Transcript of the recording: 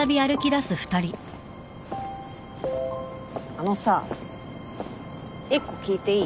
あのさ１個聞いていい？